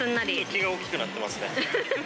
気が大きくなっていますね。